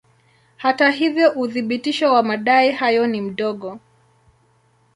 Hata hivyo uthibitisho wa madai hayo ni mdogo.